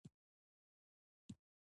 دا په یو سوه درې دېرش کال کې و